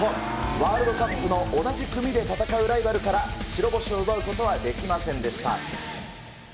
ワールドカップの同じ組で戦うライバルから、白星を奪うことはできませんでした。